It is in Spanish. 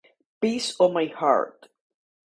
Piece of my heart.